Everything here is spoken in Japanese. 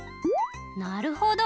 なるほど。